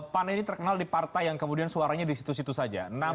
pan ini terkenal di partai yang kemudian suaranya di situ situ saja